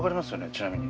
ちなみに。